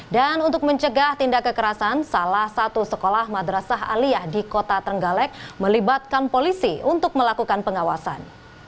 dan untuk mencegah tindak kekerasan salah satu sekolah madrasah aliah di kota trenggalek melibatkan polisi untuk melakukan pengawasan